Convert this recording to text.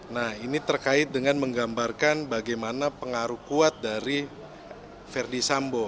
nah ini terkait dengan menggambarkan bagaimana pengaruh kuat dari verdi sambo